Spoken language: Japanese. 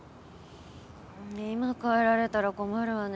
今帰られたら困るわね。